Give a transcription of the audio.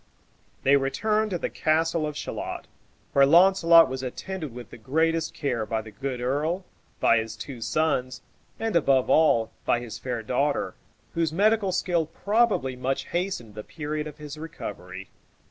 They returned to the castle of Shalott, where Launcelot was attended with the greatest care by the good earl, by his two sons, and, above all, by his fair daughter, whose medical skill probably much hastened the period of his recovery.